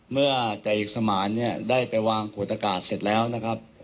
เมื่อจ่ายเอกสมานเนี่ยได้ไปวางขวดอากาศเสร็จแล้วนะครับ